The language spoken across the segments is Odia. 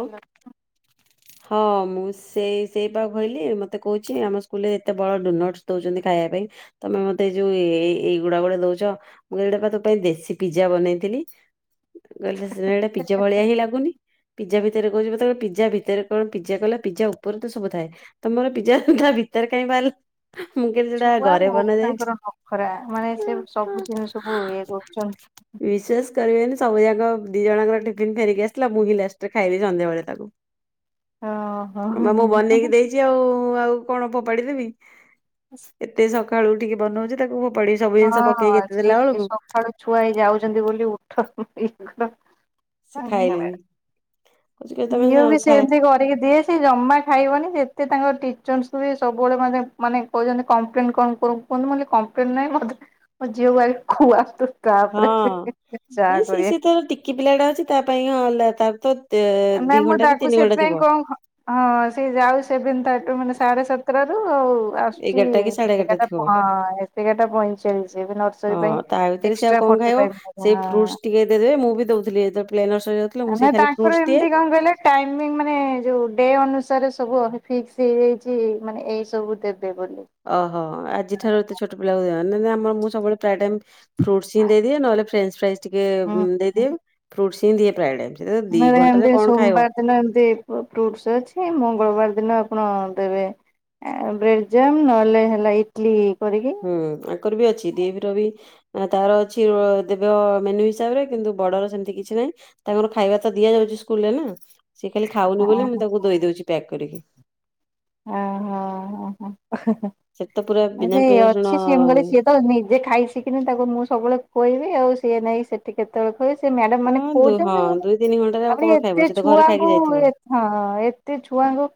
ହାଲୋ। ହଁ ମୁଁ ସେଇ ସେଇ ପା କହିଲି ମତେ କହୁଚି ଆମ ସ୍କୁଲରେ ଏତେ ବଡ଼ଡ଼ିନର୍ସ ଦଉଚନ୍ତି ଖାଇବା ପାଇଁ ତମେ ମତେ ଏ ଯୋଉ ଏ ଏଇଗୁଡା ଗୁଡେ ଦଉଛ ମୁଁ ଏଇଟା ବା ତୋ ପାଇଁ ଦେଶୀ ପିଜା ବନେଇଥିଲି। କଇଲେ ସେଉଡ଼ା ପିଜା ଭଳିଆ ହିଁ ଲାଗୁନି ପିଜା ଭିତରେ କହୁଛି ମତେ ପିଜା ଭିତରେ କଣ ପିଜା କଲା ପିଜା ଉପରେ ତ ସବୁଥାଏ। ତମର ପିଜା ତା ଭିତରେ କାଇହିଁ ବାହାରିଲା। ମୁଁ କହିଲି ସେଟା ଛୁଆ ଘରେ ବହୁତୁ ବନା ଯାଇଛି ତାଙ୍କର ନଖରା ମାନେ ସେ ସବୁ ଜିନିଷକୁୁ ଇଏ କରୁଛନ୍ତି। ବିଶେଷ କରିବେନି ସବୁ ଯାକ ଦି ଜଣଙ୍କର ଟିଫିନ ଫେରିକି ଆସିଲ ମୁଁ ଵି ଲାଷ୍ଟ ଖାଇଲି ସନ୍ଧ୍ୟାବେଳେ ତାକୁ ହଁ ମୁଁ ହଁ। ବନେଇକି ଦେଇଛି। ଜି ଆଉ ଆଉ କଣ ଫୋପାଡି ଦେବି ଏତେ ସକାଳୁ ଉଠିକି ବନଉଚି।। ତାକୁ ପଡି ସବୁ ଜିନଷ ହଁ ପକେଇକି ସେ ଦେଲାବେଳକୁ ସକାଳୁ ଛୁଆ ହେଇ ଯାଉଚନ୍ତି ବୋଲି ଉଠ ଇଏ କର ସେ ଖାଇଲେନି। କହୁଛି କି ଧନ୍ୟବାଦ ତମେ ଝିଅ ବି ଖାଇ ସେମିତି କରିକି ଦିଏ। ସେ ଜମା ଖାଇବନି ସେତେ ତାଙ୍କ ଟିଚର୍ସକୁ ବି ସବୁବେଳେ ମେ ମାନେ କହୁଛନ୍ତି କମ୍ପ୍ଲେନ କଣ କରୁ ମୁଁ କଇଲି କମ୍ପ୍ଲେନ ନାହିଁ ମତେ ମୋ ଝିଅକୁ ଆଗେ ଖୁଆନ୍ତୁ। ହଁ। ତାପରେ ଚା କରିବେ କି ପିଲା ଟା ଅଛି ତା ପାଇଁ ହଁଲା ତା ତ ଦି ନାଇଁ ମୁଁ ଘଣ୍ଟା କି ତାକୁ ତିନି ଘଣ୍ଟା ସେଥିପାଇଁ ଥିବ। କଣ ହଁ ସେ ଯାଉ ସେବିନ ତୁ ମାନେ ସାଢେ ସାତଟାରୁ ଆଉ ଆସୁଛି ଏଗାରଟା କି ସାଢେ ଏଗାରଟା ଏଗାର ଥିବ ଟା ପଇଁ ପଇଁଚାଳିଶ ଏବେ ନର୍ସରୀ ହଁ ପାଇଁ। ତା ଭିତରେ ସେ ଆଉ ଏକ୍ସଟ୍ରା କଅଁ ଫୋର୍ଟି ଖାଇବ ଫାଇଭ୍ ହଁ ସେଇ ଫ୍ରୁଟସ୍ ଟିକେ ଦେଇ ଦେବେ ମୁଁ ବି ଦଉଥିଲି ପ୍ଲେ, ନର୍ସ ଯା ଆମେ ତାଙ୍କର ଏମିତି କଣ କଇଲେ। ଟାଇମିଙ୍ଗ ମାନେ ଯଉ ଡେ ଅନୁସାରେ ସବୁ ଫିକ୍ସ ହେଇଯାଇଛି ମାନେ ଏଇ ସବୁ ଦେବେ ବୋଲି। ଓହୋ ଆଜି ଠାରୁ ଏତେ ଛୋଟ ପିଲା କୁ ଦିଅନି ନା ମୁଁ ଆମର ସବୁବେଳେ ପ୍ରାଏଟାଇମ୍ ଫ୍ରୁଟସ୍ ଦେଇଦିଏ ନ ହେଲେ ଫ୍ରେଞ୍ଚ ଫ୍ରାଇଜ୍ ଟିକେ ହୁଁ ଦେଇଦିଏ ଫ୍ରୁଟସ୍ ହିଁ ଦିଏ ପ୍ରାୟ ଟାଇମ୍। ସେ ଦି ମାନେ ଏମତି ଘଣ୍ଟାରେ କଣ ଖାଇବ। ସୋମବାର ଦିନ ଏମିତି ଫ୍ରୁଟସ୍ ଅଛି ମଙ୍ଗଳବାର ଦିନ ଆପଣ ଦେବେ। ଆ ବ୍ରେଡ୍ ଜାମ୍ ନହେଲେ ହେଲା ଇଟଲି କରିକି। ହୁଁ, ଆଙ୍କର ବି ଅଛି ଡିଏଭି ର ବି ତାର ଅଛି ଦେବ ମେନ୍ୟୁ ହିସାବରେ କିନ୍ତୁ ବଡର ସେମିତି କିଛି ନାହିଁ। ତାଙ୍କର ଖାଇବା ତ ଦିଆ ଯାଉଛି ସ୍କୁଲ ରେ ନା ସି ଖାଲି ଖାଉନି ବୋଲି ମୁଁ ତାଙ୍କୁ ଦେଇ ଦଉଛି ପ୍ୟାକ୍ କରିକି। ଆହା ଆହା ସେଠି ତ ପୁରା ବିନା ପିଆଜ ହା ରସୁଣ ଅଛି ସିଏ ମୁ କହିଲି ସିଏ। ତ ନିଜେ ଖାଇସିିକିନି ତାକୁ ମୁଁ ସବୁବେଳେ ଖୁଏଇବି ଆଉ ସିଏ ନାଇଁ ସେଠି ସେଠି କେତେବେଳେ କହେ ସେ ମ୍ୟାଡାମ ଅଁ, ମାନେ ଦୁ ହଁ ଖୋଉଛନ୍ତି ଘଣ୍ଟାରେ ଆଉ ତାପରେ କଣ ଖାଇବ? ଏତେ ସେ ତ ଘରେ ଖାଇକି ଛୁଆଙ୍କୁ ହଁ, ଯାଇଥିବ। ଏତେ ଛୁଆଙ୍କୁ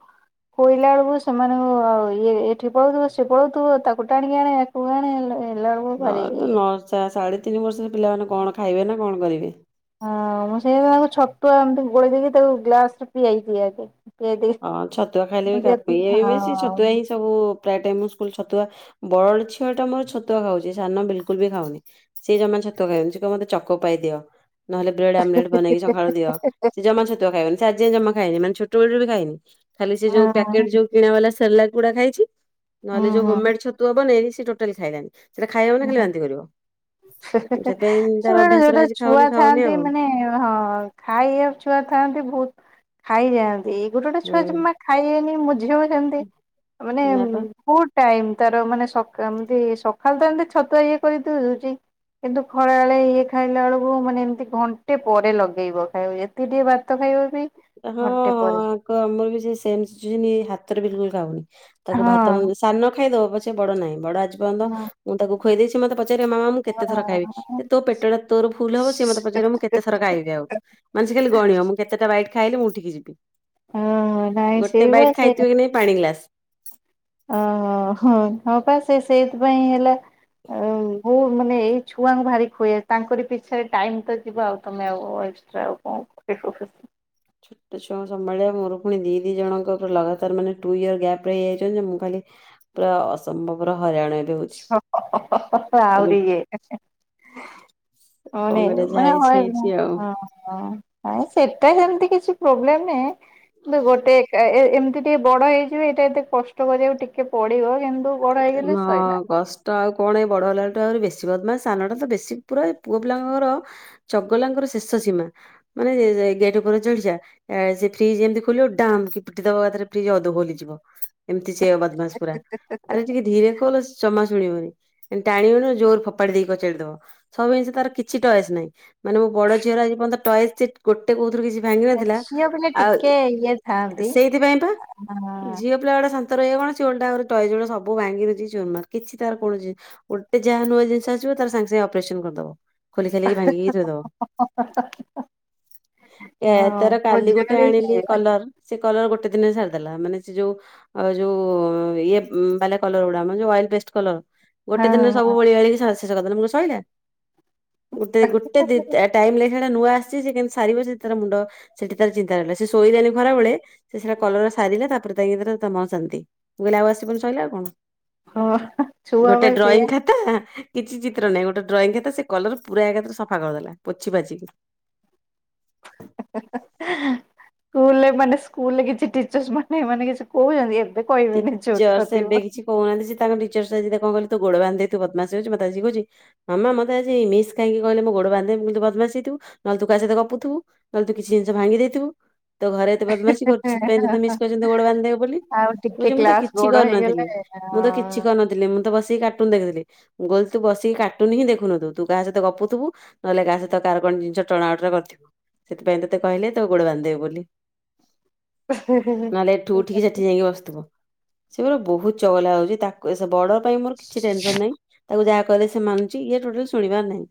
ଖୋଇଲା ବେଳକୁ ସେମାନଙ୍କୁ ଆଉ ଇଏ ଏଠି ପଳଉଥିବ ସିଏ ପଳଉଥିବ ତାକୁ ଟାଣିକି ଆକୁ ଆଣେ ଆଣେ। ହେଲା ବେଳକୁ ଭାରି ହଁ, ଇଏ। ନଚା ସାଢ଼େ ତିନି ବର୍ଷରେ ପିଲାମାନେ କଣ ଖାଇବେ ନା କଣ କରିବେ। ହଁ, ମୁଁ ସେଇ ଯୋଗୁ ତାକୁ ଛତୁଆ ଏମିତି ଗୋଳେଇ ଦେଇକି ତାକୁ ଗ୍ଲାସ ରେ ପିଆଇବି ଆଗେ। ପିଆଇ ଦେଇକି ହଁ, ଛତୁଆ ଖାଇଲେ ମୁଁ ବି କାଫି ଯେତିକି ଏଇ ବେଶି ଛତୁଆ ହିଁ ହଁ ସବୁ ପ୍ରାୟ ଟାଇମ୍ ମୁଁ ସ୍କୁଲ ଛୁତୁଆ ବଡ ଝିଅ ଟା ମୋର ଛତୁଆ ଖାଉଛି ସାନ ବିଲ୍ କୁଲ୍ ବି ଖାଉନି। ସିଏ ଜମା ଛତୁଆ ଖାଇବନି ସେ କହିବ ମତେ ଚକୋ ପାଇଦିଅ। ନ ହେଲେ ବ୍ରେଡ ଆମଲେଟ୍ ବନେଇକି ସଖାଳୁ ଦିଅ, ସେ ଜମା ଛତୁଆ ଖାଇବନି, ସେ ଆଜି ଯାଏ ଜମା ଖାଇନି ମାନ ଛୋଟ ବେଳରେ ବି ଖାଇନି। ଖାଲି ସେ ଯୋଉ ପ୍ୟାକେଟ୍ ହଁ ଯୋଉ କିଣା ବାଲା ସେରଲାକ ଗୁଡା ଖାଇଛି ନ ହେଲେ ହୁଁ ଯୋଉ ହୁଁ ହୋମ୍ ମେ ଡ୍ ଛତୁ ତୁ ହବ ନେଇ ଟୋଟାଲି ଖାଇଲାନି ସେଟା ଖାଇବ ନା ଖାଲି ବାନ୍ତି କରିବ। ହେ ହେ ସେଥିପାଇଁ ତାର ସେବେ ଅଭ୍ୟାସ ଯୋଉଟା ରହିଛି ଛୁଆ ଖାଉନି ଖାଉନି ଥାଆନ୍ତି ଆଉ ମାନେ ହଁ। ଖାଇବା ଛୁଆ ଥାଆନ୍ତି ବହୁତ ଖାଇଯାଆନ୍ତି ଏଇ ଗୋଟେ ଗୋଟ ଛୁଆ ହୁଁ। ଜମା ଖାଇବେନି ମୋ ଝିଅ ସେମ୍ ତି ମାନେ ନା ପା ବହୁତ୍ ଟାଇମ୍ ତାର ମାନେ ସଖା, ଏମତି ସଖା ଖାଲି ତ ଏମତି ଛତୁଆ ଇଏ କରିକି ଦେଇ ଦଉଛି। କିନ୍ତୁ ଖରାବେଳେ ଇଏ ଖାଇଲା ବେଳକୁ ମାନେ ଏମିତି ଘଣ୍ଟେ ପରେ ଲଗେଇବ ଖାଇବ ଏତ୍ ସିଏ ଟିକେ ଭାତ ଖାଇବ ବି ହଁଁ, ଘଣ୍ଟେ ପରେ ଆଙ୍କ ଆମର ବି ସେମ୍ ଶିଚୁଏସନ ଇଏ ହାତରେ ବିଲ୍ କୁଲ ଖାଉନି ତାକୁ ହଁ ଭାତ ମନ୍ଦ୍ ସାନ ଖାଇଦବ ପଛେ ବଡ ନାହିଁ, ବଡ ଆଜି ପର୍ଯ୍ୟନ୍ତ ହଁ ମୁଁ ତାକୁ ଖୋଇ ଦେଇଛି, ମତେ ପଚାରିବ ମାମା ମୁଁ କେତେଥର ଖାଇବି। ହଁ ଯେ ତୋ ପେଟ ଟା ତୋର ଫୁଲ୍ ହବ ସିଏ ମତେ ପଚରିବ ମୁଁ କେତେଥର ଖାଇବି ଆଉ ମାନେ ଖାଲି ଗଣିବ ମୁଁ କେତେଟା ବାଇଟ ଖାଇଲେ ମୁଁ ଉଠିକି ଯିବି ହଁ ନାଇଁ ସେଇ ଗୋଟେ ବା ବାଇଟ ଖାଇଥିବ କି ନାଇ ପାଣି ଗ୍ଲାସ୍ ଅହିଁ ହଁପା ସେ ସେଇଥିପାଇଁ ହେଲା ବହୁତ ମାନେ ଏଇ ଛୁଆଙ୍କୁ ଭାରି ଖୁଆ ବା ତାଙ୍କରି ପିଛା ରେ ଟାଇମ ତ ଯିବ ଆଉ ତମେ ଆଉ ଏକ୍ସଟ୍ରା ଆଉ କଣ ଏ ହୋ ହୋ। ଛୋଟ ଛୁଆ ସମ୍ଭାଳିବା ମୋର ପୁଣି ଦି ଦି ଜଣଙ୍କ ଲଗାତାର ମାନେ ଟୁ ଇୟର ଗ୍ୟାପ୍ ରେ ହେଇ ଯାଇଛନ୍ତି ମୁଁ ଖାଲି ପୁରା ଅସମ୍ଭବର ହଇରାଣ ହେଲି। ହ ହ ହ ଆହୁରି ଇଏ ହେ ହେ। ହଁ, କଣ କରିବା ନେଇନୁ ଯାହା ମାନେ ହେଇଛି ହଁ ହେଇଛି ଆଉ। [inaudible] ହଁ, ନାଇ ସେଟା ସେମିତି କିଛି ପ୍ରୋବ୍ଲେମ ନୁହେଁ। କିନ୍ତୁ ଗୋଟେ ଏ ଏମିତି ଟିକେ ବଡ ହେଇଯିବେ ଏଇଟା ଏତେ କଷ୍ଟ କରିବାକୁ ଟିକେ ପଡିବ ଏମତି ହିଁ ଅଗଷ୍ଟ। ତ ଆଉ କଣ ଏ ବଡ଼ ହେଲାଟୁ ଆହୁରି ବେଶୀ ବଦମାସ୍ ସାନଟା ତ ବେଶୀ ପୁରା ପୁଅ ପିଲାଙ୍କର ଚଗଲାଙ୍କର ଶେଷ ସୀମା ମାନେ ଗେଟ ଉପରେ ଚଢି ଯା ସେ ଫ୍ରିଜ ଏମିତି ଖୋଲିବ ଡାମ୍ କି ପିଟି ଦବା ଫ୍ରିଜ ଅଧ ଖୋଲିଯିବ ଏମିତି ସେ ବଦ ବାସ ପୁରା ଆରେ ଟିକେ ଧୀରେ ଖୋଲ୍ ସେ ଜମା ଶୁଣିବନି ଏମତି ଟାଣିବୁ ମାନି ଜୋର ଫୋପାଡି ଦେଇକି କଚାଡି ଦବ। ସବୁ ଜିନିଷ ତାର କିଛି ଟଏଜ ନାହିଁ ମାନେ ମୋ ବଡ ଝିଅର ପର୍ଯ୍ୟନ୍ତ ଟଏଜ ଗୋଟେ କହୁଉଥିରୁ କିଛି ଭାଙ୍ଗି ନଥିଲା ଝିଅ ପିଲା ଆଉ ଟିକେ ଇଏ ଥାଆନ୍ତି ସେଇଥିପାଇଁ ପା ହଁ ଝିଅ କୁ ପିଲା ଗୁଡାଶାନ୍ତ ରହିବେ କଣ ସେ ଓଲଟା ଟଏଜ ଗୁଡାକ ସବୁ ଭାଙ୍ଗି ରୁଜିଚୁରୁମାର କିଛି ତାର କୋଣସି ଗୋଟେ ଯାହା ନୂଆ ଜିନିଷ ଆସିବ ତାର ସାଙ୍ଗେ ସାଙ୍ଗେ ଅପରେସନ କରିଦବ। ଖୋଲିଖାଲି କି ଭାଙ୍ଗି ଥୋଇଦେବ। ଏ ହଁ ତାର ମୋ କାଲି ଝିଅ ଗୋଟେ ବି ଆଣିଲି ସେଇଆ କଲର। ସେ କଲର ଗୋଟେ ଦିନ ସାରିଦେଲା ମାନେ ସେ ଯୋଉ ଯୋଉ ଇଏ ଉଁ ବାଲା କଲର ୱାଇପେଷ୍ଟ କଲର ଗୋଟେ ଦିନରେ ସବୁ ହଁ ବୋଳିବାଳୀ ଶେଷ କରିଦେଲା ମୁଁ ସଇଲା। ଗୋଟେ ଗୋଟେ ଦି ଟାଇମ୍ ନାହିଁ। ହେଡା ନୂଆ ଆସିଛି ସେ କେମିତି ସାରିବ ସେ ତାର ମୁଣ୍ଡ ସେଠି ତାର ଚିନ୍ତା ରହିଲା ସେ ଶୋଇଲାଣି ଖରାବେଳେ ଏତେ ସାରା କଲର ସାରିଲା ତାପରେ ତା ପରେ ତ ଇଏ ତାର ତା ମନ ଶାନ୍ତି ମୁଁ କହିଲିନି ଆଉ ଆସିବୁନି। ସହିଲା ଆଉ କଣ ହଁ ଛୁଆ ଗୋଟେ ବା ସେଇଆ ଡ୍ରଇଁ ଖା ଖାତା କିଛି ଚିତ୍ର ନାହିଁ ଗୋଟେ ଡ୍ରଇଁ ଖାତା ସେ କଲର ପୁରା ଏକାଥରେ ସଫା କରଦେଲା ପୋଛି ପାଛି। ସ୍କୁଲ ମାନେ ସ୍କୁଲରେ କିଛି ଟିଚରସ୍ ମାନେ ମାନେ କିଛି କହୁଛନ୍ତି? ସେ କହିବେନି ଟିଚର୍ସ ଛୋଟ ଏବେ ଥିବ। କିଛି କହୁନାହାନ୍ତି ସେ ତାଙ୍କ ଟିଚର ଆଜି ତାକୁ କଣ କହିଲେ ତୁ ଗୋଡ଼ ବାନ୍ଧି ଦେଇ ତୁ ବଦମାସୀ ହଉଛୁ ମତେ ଆସିକି କହୁଛି ମାମ ମତେ ଆଜି ମିସ୍ କାହିଁକି କହିଲେ ମୁଁ ଗୋଡବାନ୍ଧିଦେବେ ମୁଁ କହିଲି ତୁ ବଦମାସୀ ହେଇଥିବ ନହେଲେ ତୁ କାହା ସହିତ ଗପୁଥିବୁ। ନହେଲେ ତୁ କିଛି ଜିନିଷ ଭାଙ୍ଗି ଦେଇଥିବୁ ତୁ ଘରେ ଏତେ ବଦମାସୀ କରୁଛୁ ସେଥିପାଇଁ ତତେ ମିସ୍ କହିଛନ୍ତି ତୁ ଗୋଡ ବାନ୍ଧି ଦେବେ ବୋଲି। ଆଉ ଟିକେ କହୁଛି ମୁଁ ତ କ୍ଲାସ କିଛି ବଡ ହେଇଗଲେ କରିନଥିଲି ମୁଁ ତ କିଛି କରିନଥିଲି ମୁଁ ତ ବସିକି କାର୍ଟୁନ ଦେଖୁଥିଲି। ମୁଁ କହିଲି ତୁ ବସିକି କାର୍ଟୁନ ହିଁ ଦେଖୁନଥିବୁ ତୁ କାହା ସହିତ ଗପୁଥିବୁ। ନହେଲେ କାହା ସହିତ କାର କଣ ଜିନିଷ ଟଣାଓଟରା କରିଥିବୁ। ସେଥିପାଇଁ ତତେ କହିଲେ ତୋ ଗୋଡ ବାନ୍ଧିଦେବେ ବୋଲି। ହଁ। ନହେଲେ ଏଠୁ ଉଠିକି ସେଠି ଯାଇକି ବସିଥିବୁ। ସେ ପୁରା ବହୁତ ଚଗଲା ହଉଛି ତାକୁ ସେ ବଡ଼ ପାଇଁ ମୋର କିଛି ଟେନସନ ନାହିଁ ତାକୁ ଯାହା କହିଲେ ସେ ମାନଛି ଇଏ ଟୋଟାଲ ଶୁଣିବାର ନାହିଁ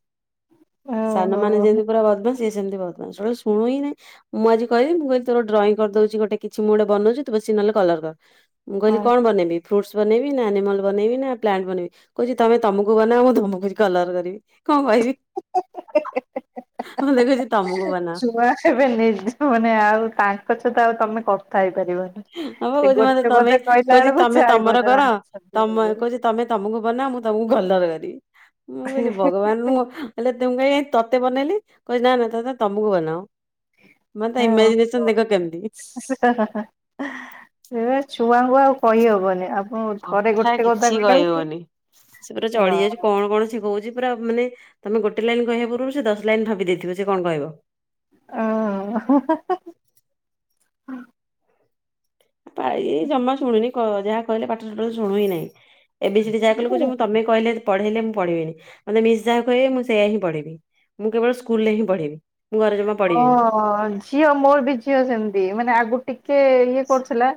ସାନ ମାନେ ଓହୋ ଯେମତି ପୁରା ବଦମାସ୍ ସିଏ ସେମିତି ବଦମାସ ଟୁଟାଲ ଶୁଣୁ ନାହିଁ। ମୁଁ ଆଜି କହିଲି ମୁଁ କହିଲି ତୋର ଡ୍ରଇଂ କରଦଉଛି ଗୋଟେ କିଛି ମୁଁ ଗୋଟେ ବନଉଛି ତୁ ବସିକି ନହେଲେ କଲର କର। ମୁଁ କହିଲି ହଁ କଣ ବନେଇବି? ଫ୍ରୁଟ୍ସ ବନେଇବି ନା ଆନିମଲ ବନେଇବି ନା ପ୍ଲାଣ୍ଟ ବନେଇବି କହୁଛି ତମେ ତମକୁ ବନାଅ ମୁଁ ତମକୁ କଲର କରିବି। କଣ କହିବି ମତେ କହୁଛି ତମକୁ ବନାଅ। ଛୁଆ ଏବେ ନିଜ ମାନେ ଆଉ ତାଙ୍କ ସହିତ ଆଉ ତମେ କ ଥା ହେଇପାଇପାରିବନି ହଁ ବା ସେ କହୁଛି ମତେ ଗୋଟେ ତମେ ପଦ କହିଲା କହୁଛି ବେଳକୁ ତମେ ତମର ଚାରିପଦର କର ଆସାଂର ତମ ମିଳିବେ। କହୁଛି ତମେ ତମକୁ ବନାଅ ମୁଁ ତମକୁ କଲର କରିବି ମୁଁ କହିଲି ଭଗବାନ ମୁଁ ହେଲେ ତୁମ୍ କାଇଁ ତତେ ବେନେଇଲେ କହୁଛି ନା ନା ତତେ ତମକୁ ବନାଅ। ମାନେ ତା ଓହୋ ଇମାଜିନେସନ ଦେଖ କେମିତି। [unintelligible] [inaudible] ଏବେ ଛୁଆଙ୍କୁ ଆଉ କହିହବନି ଆଉ। କଥା କିଛି କହିହବନି ସେ ପୁରା ହଁ। ଚଡି ଯାଇଛି କଣ କଣ ସେ କହୁଛି। ପୁରା ମାନେ ତମେ ଗୋଟେ ଲାଇନ୍ କହିବା ପୂର୍ବରୁ ସେ ଦଶ ଲାଇନ୍ ଭାବି ଦେଇଥିବେ ସେ କଣ କହିବ। ଓହୋ। ପାହି ଜମା ଶୁଣୁନି କ ଯାହା କହିଲେ ପାଠ ଟୁଟାଲ ଶୁଣୁହିଁ ନାହିଁ। ଏ ବି ସି ଡି ଯାହା କହିଲେ କହୁଛି ମୁଁ ତମେ କହିଲେ ପଢେଇଲେ ମୁଁ ପଢିବିନି। ମତେ ମିସ୍ ଯାହା କହିବେ ମୁଁ ସେୟା ହିଁ ପଢ଼ିବି ମୁଁ କେବଳ ସ୍କୁଲରେ ହିଁ ପଢ଼ିବି ମୁଁ ଘର ଜମା ପଢ଼ିବିନି। ହଁ ଝିଅ ମୋର ବି ଝିଅ ସେମିତି ମାନେ ଆଗରୁ ଟିକେ ଇଏ କରୁଥିଲା।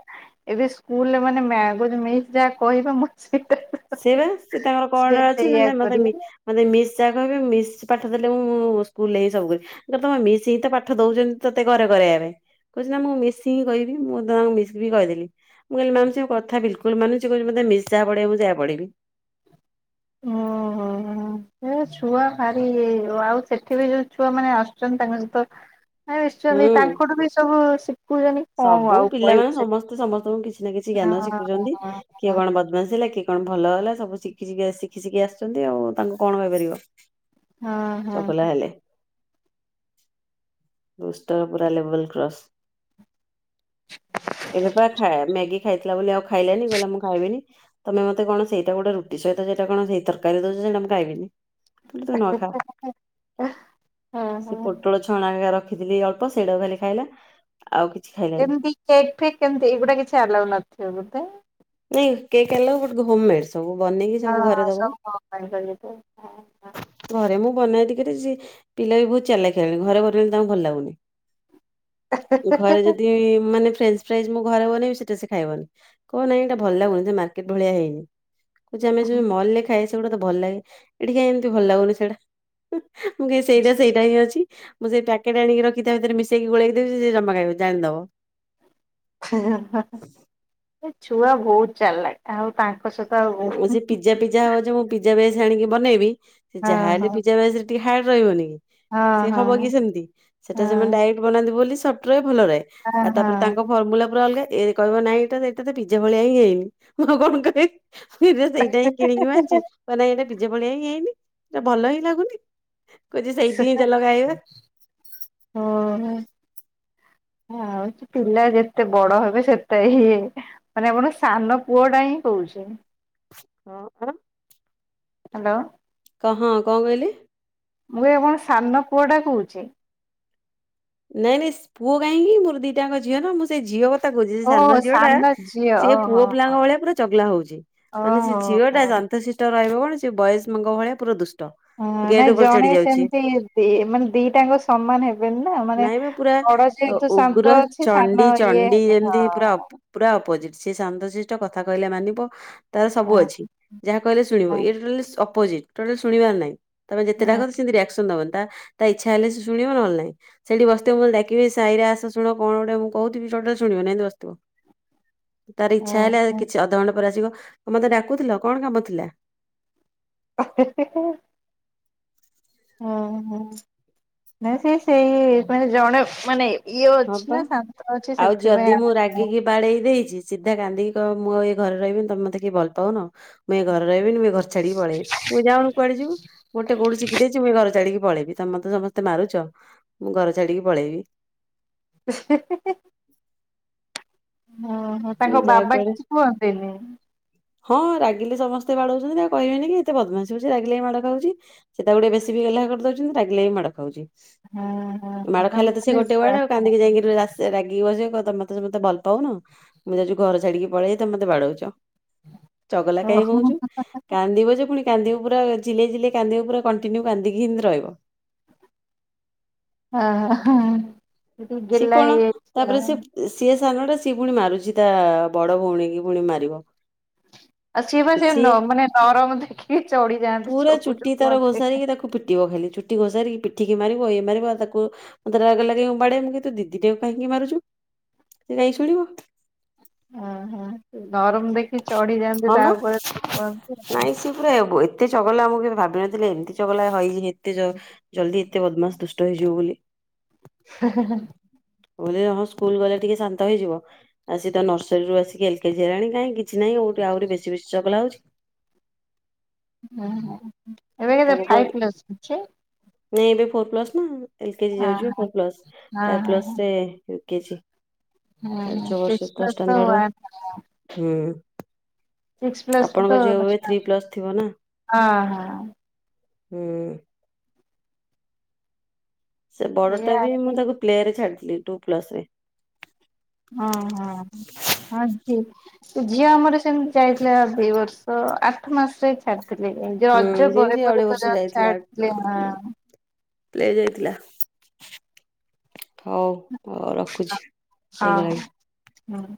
ଏବେ ସ୍କୁଲରେ ମାନେ ମା ମିସ୍ ଯାହା କହିବେ ମୁଁ ସେଇଠା ସେଇ ବା ସେ ତାଙ୍କର କଣ ଅଛି ନା ନା ମତେ କରିବେ ମି ମୋତେ ମିସ୍ ଯାହା କହିବେ ମିସ୍ ପାଠ ଦେଲେ ମୁଁ ସ୍କୁଲରେ ହିଁ ସବୁ କରି ତମେ ମିସ୍‌ ହିଁ ତ ପାଠ ଦଉଛନ୍ତି ତତେ ଘରେ କରିବା ପାଇଁ। କହୁଛି ନା ମୁଁ ମିସ୍‌ ହିଁ କହିବି ମୁଁ ତାଙ୍କ ମିସ୍‌ ବି କହିଦେଲି। ମୁଁ କହିଲି ମାମ ସେ କଥା ବିଲକୁଲ ମାନୁଛି କହୁଛି ମତେ ମିସ୍‌ ଯା ପଡେଇବ ମୁଁ ସେଇହା ପଡିବି। ହଁ ହଁ। ସେ ଛୁଆ ଭାରି ଆଉ ସେଠି ବି ଯୋଉ ଛୁଆ ମାନେ ଆସୁଛନ୍ତି ତାଙ୍କ ସହିତ ମାନେ ମିଶୁଛନ୍ତି ହୁଁ। ତାଙ୍କଠୁ ବି ସବୁ ଶିଖୁଛନ୍ତି। କଣ ସବୁ ଆଉ କହିବୁ ପିଲାମାନେ ସେ ସମସ୍ତେ ସମସ୍ତଙ୍କୁ କିଛି ନା କିଛି ହଁ ଜ୍ଞାନ ଶିଖୁଛନ୍ତି। ହଁ କିଏ କଣ ବଦମାସି ହେଲା କିଏ କଣ ଭଲ ହେଲା ସବୁ ଶିଖି ଶିଖା ଶିଖି ଶିଖା ଆସୁଛନ୍ତି ଆଉ ତାଙ୍କୁ କଣ କହିପାରିବ ହଁ ହଁ ହଁ। ଚଗଲା ହେଲେ। ଦୁଷ୍ଟର ପୁରା ଲେବୁଲ କ୍ରସ୍। ଏବେ ପା ଖା ମ୍ୟାଗି ଖାଇଥିଲା ବୋଲି ଆଉ ଖାଇଲାନି କହିଲା ମୁଁ ଖାଇବିନି। ତମେ ମତେ କଣ ସେଇଟା ଗୋଟା ରୁଟି ସହିତ ସେଇଟା କଣ ସେଇ ତରକରୀ ଦଉଛ ସେଟା ମୁଁ ଖାଇବିନି। ଟୋଟାଲି ତୁ ନ ଖା। ସେ ହଁ। ପୋଟଳ ଛଣା ହେଇକା ରଖିଥିଲି ଅଳ୍ପ ସେଇଟାକୁ ଖାଲି ଖାଇଲା। ଆଉ କିଛି ଖାଇଲାନି କେମତି କେକ୍ ଫେକ୍ କେମତି ଏଇଗୁଡା କିଛି ଆଉ ନଥିବ ବୋଧେ? ନାଇଁ cake allow but home mades. ସବୁ ବନେଇକି ସବୁ ହଁ ଘରେ ଦବ। ସବୁ ବ [unintelligible] ଘରେ ମୁଁ ବନାଏ ଟିକେ ଯେ ସେ ପିଲା ବି ବହୁତ ଚାଲାଖ୍ ହେଲେଣି ଘରେ ବନେଇଲେ ତାଙ୍କୁ ଭଲ ଲାଗୁନି। ଘରେ ଯ ଏ ଦି ମାନେ ଫ୍ରେଞ୍ଚ ଫ୍ରାଇଜ ମୁଁ ଘରେ ବନେଇବି ସେଟା ସେ ଖାଇବନି। କହିବ ନାଇଁ ଏଇଟା ଭଲ ଲାଗୁନି ସେ ମାର୍କେଟ ଭଳିଆ ହେଇନି। କହୁଚି ଆମେ ଯୋଉ [unintelligible] ଖାଏ ସେଗୁଡା ତ ଭଲ ଲାଗେ ଏଠି କାଇଁ ଏମିତି ଭଲ୍ ଲାଗୁନି ସେଇଟା? ହିଁ ମୁଁ କହିବି ସେଇଟା ସେଇଟା ହିଁ ଅଛି। ମୁଁ ସେ ପ୍ୟାକେଟ୍ ଆଣିକି ରଖି ତା ଭିତରେ ମିଶେଇକି ଗୋଳାଇକି ଦେବି ସେ ଜମା ଖାଇବନି ଜାଣିଦବ। ଏ ଛୁଆ ବହୁତ୍ ଚାଲାଖ୍, ଆଉ ଆଉ ତାଙ୍କ ସହିତ ଆଉ ହଁ ସେ ପିଜା ପିଜା ହବଜେ ମୁଁ ପିଜାବେସ୍ ଆଣିକି ବନେଇବି ସେ ଯାହାହଲେ ହଁ ପିଜାବେସ୍ ରେ ଟିକେ ହାର୍ଡ ରହିବନି କି ହଁ ସିଏ ହଁ ହବ କି ସେମିତି, ସେଟା ସେମାନେ ଡାଇରେକ୍ଟ ବନାନ୍ତି ବୋଲି ସଫ୍ଟ ରହେ ଭଲ ରହେ ହଁ ହଁ ଆଉ ତାପରେ ହଁ ତାଙ୍କ ଫର୍ମୁଲା ପୁରା ଅଲଗା ଏ କହିବ ନାଇଁ ଏଇଟା ଏଇଟାତ ପିଜା ଭଳିଆ ହିଁ ହୋଇନି ମୁଁ କଣ କହିବି ମୁଁ କହିବି ସେଇଟାହିଁ କିଣିକି ମୁଁ ଆଣିଚି, କହିବ ନାଇଁ ଏଇଟା ପିଜା ଭଳିଆ ହେଇନି ଏଇଟା ଭଲ ହିଁ ଲାଗୁନି। କହୁଛି ସେଇଠି ସେଟା ହିଁ ଚାଲ ଖାଇବା। ହଁ। ଆଉଛି ପିଲା ଯେତେ ବଡ ହେବେ ସେତ ହିଏ ମାନେ ଆପଣଙ୍କ ସାନ ପୁଅ ଟା ହିଁ କହୁଚି। କଣ? ହାଲୋ। କ ହଁ କଣ କହିଲେ? ମୁଁ କହି ଆପଣଙ୍କ ସାନ ପୁଅଟା କହୁଚି? ନାଇଁ ନାଇଁ ପୁଅ କାହିଁକି ମୋର ଦିଟାଙ୍କ ଝିଅ ନା ମୁଁ ସେଇ ଝିଅ କଥା କହୁଛି ଓ ସାନ ଝିଅ ଟା ଝିଅ ସିଏ ଓହୋ ପୁଅ ପିଲାଙ୍କ ଭଳିଆ ପୁରା ଚଗଲା ହଉଚି। ମାନେ ସେ ଓହୋ ଝିଅ ହୋ ଟା ଶାନ୍ତଶିଷ୍ଟ ରହିବ କଣ ସେ ବୟସ ମଙ୍କ ଭଳିଆ ପୁରା ଦୁଷ୍ ହ ନାଇଁ ଜଣେ ସେମିତି ଦି ମାନେ ଦିଟାଙ୍କ ସମାନ ହେବେନି ନା ମାନେ ନାଇଁ ବା ପୁରା ବଡ ଅ, ଯେହେତୁ ଉଗ୍ର ଶାନ୍ତ ଅଛି ଚଣ୍ଡି ସାନ ଇଏ ଚଣ୍ଡି ହେବେ ଯେମିତି ପୁରା ହଁ। ଅପ- ପୁରା ଅପୋଜିଟ ସେ ଶାନ୍ତଶ୍ରିଷ୍ଟ କଥା କହିଲେ ମାନିବ ତାର ସବୁ ନାଇଁ ଅଛି। ଯାହା କହିଲେ ଶୁଣିବ, ଇଏ ଟୋଟାଲି ଅପୋଜିଟ ଟୋଟାଲ ଶୁଣିବାର ନାହିଁ। ତମେ ଯେତେ ଡାକ ସେମିତି ରିଆକ୍ସନ ଦବିନି ତା ଇଚ୍ଛା ହେଲେ ସେ ଶୁଣିବ ନହେଲେ ନାଇଁ। ସେଠି ବସିଥିବ ମୁଁ ଡାକିବି ସାଇରା ଆସ ଶୁଣ କଣ ଗୋଟେ ମୁଁ କହୁଥିବି ଟୋଟଲ ଶୁଣିବନି ଏମିତି ବସିଥିବ। ତାର ଇଚ୍ଛା ହେଲା କିଛି ଅଧଘଣ୍ଟା ପରେ ଆସିବ ତ ମତେ ଡାକୁଥିଲ କଣ କାମ ଥିଲା? [inaudible] ଓହୋ ନା ସେ ସେଇ ମାନେ ଜଣେ ମାନେ ଇଏ ହଁ ଅଛି ପା ନା ଶାନ୍ତ ଅଛି ଆଉ ଯଦି ସେଥିପାଇଁ ମୁଁ ଆର ରାଗିକି ବାଡେଇ ଦେଇଛି ସିଧା କାନ୍ଦିକି କହିବ ମୁଁ ଆଉ ଏ ଘରେ ରହିବିନି ତମେ ମତେ କେହି ଭଲ୍ ପାଉନ। ମୁଁ ଏ ଘରେ ରହିବନି ମୁଁ ଏ ଘର ଛାଡି ପଳେଇବି। ମୁଁ କହିବି ଯାଉନୁ କୁଆଡେ ଯିବୁ। ଗୋଟେ କୋଉଠୁ ଚିଖି ଦେଇଛି ମୁଇ ଘରଛାଡିକି ପଳେଇବି ତମେ ତ ସମସ୍ତେ ମାରୁଛ ମୁଁ ଘର ଛଡିକି ପଳେଇବି। [inaudible] [inaudible] ଓୁ ହୋ ମୁଁ ତାଙ୍କ ଯାହା ବାବା କୁଆଡେ କିଛି କୁହନ୍ତିନି? ହଁ ରାଗିଲି ସମସ୍ତେ ବାଡଉଛନ୍ତି ଆଉ କହିବନି କି ଏତେ ପଦ୍ମାସୀ ହଉଛି ରାଗିଲ ମାଡ଼ ଖାଉଛନ୍ତି। ସେଟା ଗୋଟ ବେଶି ଗଲା କରି ଦଉଛନ୍ତି ନା ରାଗିଲେ ବି ମାଡ଼ ଖାଉଛି। ହଁ ହଁ ମାଡ ନା ଖାଇଲେ ମୁଁ ତ ସେ କହିଲି ଗୋଟେ ଡ ଆଉ କାନ୍ଦିକି ଯାଇକି ସେ ରାଗି ବସ ତମତେ ତତେ ଭଲ ପାଉନ ମୁଁ ଯାଉଛି ଘର ଛାଡିକି ପଳେଇି ତମତେ ବାଡଉଛ। ଚଗଲା କାଇ ଓହୋ ହଁ। ହୋଉଛୁ? କାନ୍ଦିବ ଯେ ପୁଣି କାନ୍ଦିବ ପୁରାଝିଲେଇ ଜିଲେଇ କାନ୍ଦିବ ପୁରା କଣ୍ଟିନ୍ୟୁ କାନ୍ଦିକି ହିଁରହିବ ହ ସେ ଟିକେ ସିଏ ଗେଲ୍ହା କଣ ହେଇଯାଇଛି ତାପରେ ଆଉ ସେ ସିଏ ସାନଟା ସିଏ ପୁଣି ମାରୁଛି ତା ବଡ ଭଉଣୀ କି ପୁଣି ମାରିବ। ଆଉ ସିଏ ବା ସିଏ ମାନେ ନରମ ଦେଖିକି ଚଢ଼ି ଯାଆନ୍ତି ସବୁ। ଇଏ ବା ଖାଲି ଚୁଟି ଘୋସାରିକି ପିଠିକି ମାରିବ ଇଏ ମାରିବ ତାକୁ ମତେ ରାଗ ଲାଗିବ ମୁଁ ବାଡ଼େଇବି। ତୁ ଦିଦିଟା କାହିଁକି ମାରୁଛୁ ସେ କାଇଁ ଶୁଣିବ। ଆଁ ହାଁ ନରମ ଦେଖିକି ଚଢି ଯାଆନ୍ତି ତା ଉପରେ [unintelligible] ସେ ପୁରା ଏତେ ଚଗଲା ମୁଁ କେବେ ଭାବିି ନଥିଲି ଏମିତି ଚଗଲା ହେଇ ଏତେ ଜଲ୍ଦି ଏତେ ବଦମାସ ଦୁଷ୍ଟ ହେଇଯିବ ବୋଲି। ହେଁ ହେଁ ମୁଁ କହିଲି ହଁ ସ୍କୁଲ ଗଲେ ଟିକେ ଶାନ୍ତ ହେଇଯିବ ଆସ ତ ନର୍ସରୀରୁୁ ଆସ ଏଲ କେଜି ହେଲାଣି କାହିଁ କିଛି ନାହିଁ ଓଲଟି ଆହୁରି ବେଶୀ ବେଶୀ ଚଗଲା ହେଉଛି। ହୁଁ ଏବେ କେତେ ତାକୁ ଫାଇବ୍ କହିଲି କ୍ଲାସ ଅଛି। ନାଇଁ ଏବେ ଫୋର ପ୍ଲସ ନା ଏଲ କେଜି ଯାଉଚି ଫୋର କ୍ଲାସ ଫାଇଭ କ୍ଲାସ ରେ ଏଲ କେଜି ପାଞ୍ଚ ବର୍ଷରେ ତ ଷ୍ଟାଣ୍ଡର୍ଡ ହୁଁ ଆପଣଙ୍କ ଝିଅ ବି ଥ୍ରୀ କ୍ଲାସ ଥିବ ନା ହଁ ହୁଁ ସେ ବଡ ଟା ଏଇଆ ବି ମୁଁ ହଁ ତାକୁ ପ୍ଲେ ରେ ଛାଡିଥିଲି ଟୁ ପ୍ଲସ ରେ ହଁ ହଁ ହଁ ଝୀ ଝିଅ ଆମର ସେମିତି ଯାଇଥିଲା ଦୁଇ ବର୍ଷ ତ ଆଠ ମାସରେ ଛାଡିଥିଲେ ଯୋଉ ହୁଁ ରଜ ସେ ବି ପରେ ସେଇ ଅଢେଇ ପରେ ତ ବର୍ଷ ଯ ଛାଡିଥିଲେ ହ ଦିଆ ଯାଇଥିଲା ହଉ ହଉ ରଖୁଛି ହେଇଗଲାଣି ହଁ